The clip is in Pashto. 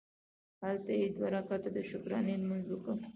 هلته یې دوه رکعته د شکرانې لمونځ وکړ.